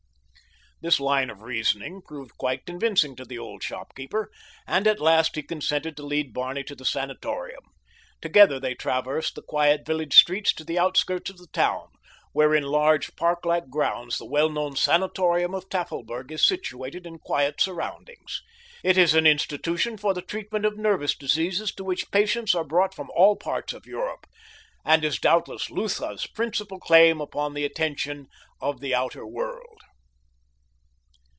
This line of reasoning proved quite convincing to the old shopkeeper, and at last he consented to lead Barney to the sanatorium. Together they traversed the quiet village streets to the outskirts of the town, where in large, park like grounds the well known sanatorium of Tafelberg is situated in quiet surroundings. It is an institution for the treatment of nervous diseases to which patients are brought from all parts of Europe, and is doubtless Lutha's principal claim upon the attention of the outer world.